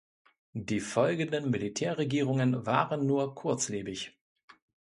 Die folgenden Militärregierungen waren nur kurzlebig.